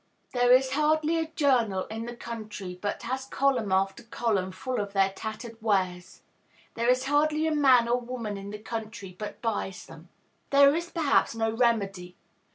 There is hardly a journal in the country but has column after column full of their tattered wares; there is hardly a man or woman in the country but buys them. There is, perhaps, no remedy.